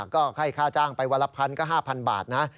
ก็ให้ค่าจ้างไปวรรพันธุ์ก็๕๐๐๐บาทนะ